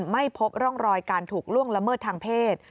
ไม่พบร่องรอยการถูกล่วงละเมิดทางเพศ